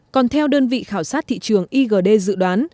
còn theo đơn vị khảo sát thị trường igd dự đoán